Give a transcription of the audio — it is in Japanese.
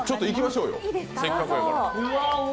せっかくやから。